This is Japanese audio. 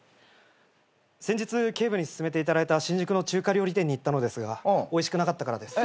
先日警部にすすめていただいた新宿の中華料理店に行ったのですがおいしくなかったからです。